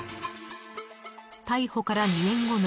［逮捕から２年後の］